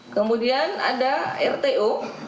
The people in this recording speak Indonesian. kemudian ada rto